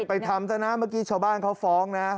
ไปทำซะนะเมื่อกี้ชาวบ้านเขาฟ้องนะ